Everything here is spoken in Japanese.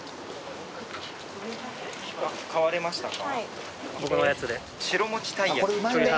買われましたか？